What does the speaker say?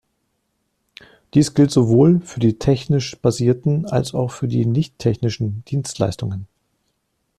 Dies gilt sowohl für die technisch basierten, als auch für die nicht technischen Dienstleistungen.